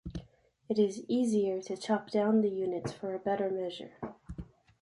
It is easier to chop down the units for a better measure.